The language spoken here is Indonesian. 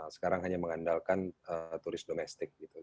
sekarang hanya mengandalkan turis domestik gitu